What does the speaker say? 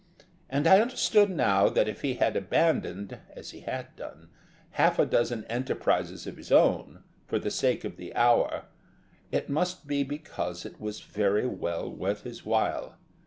And I understood now that if he had abandoned as he had done half a dozen enterprises of his own for the sake of the Hour, it must be because it was very well worth his while.